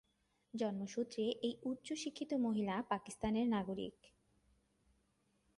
জন্ম সূত্রে এই উচ্চ শিক্ষিত মহিলা পাকিস্তানের নাগরিক।